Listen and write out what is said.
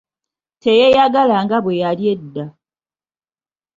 Teyeyagala nga bwe yali edda.